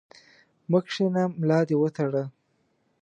مه کښېنه ، ملا دي وتړه!